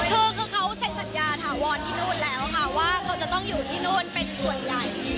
คือเขาเซ็นสัญญาถาวรที่นู่นแล้วค่ะว่าเขาจะต้องอยู่ที่โน่นเป็นส่วนใหญ่